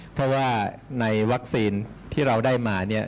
เพราะว่าในวัคซีนที่เราได้มาเนี่ย